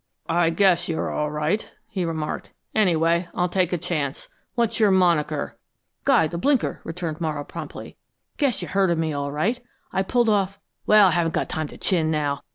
"I guess you're all right," he remarked. "Anyway, I'll take a chance. What's your moniker?" "Guy the Blinker," returned Morrow promptly. "Guess you've heard of me, all right. I pulled off but I haven't got time to chin now.